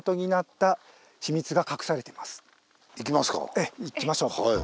ええ行きましょう。